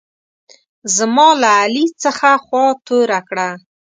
زما له علي څخه خوا توره کړه.